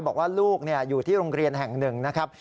บอกว่าลูกอยู่ที่โรงเรียนแห่งหนึ่งนะครับ